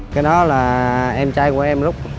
cái đó là em trai của em rút